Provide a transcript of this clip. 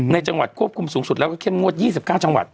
ในจังหวัดควบคุมสูงสุดแล้วก็เข้มงวด๒๙จังหวัด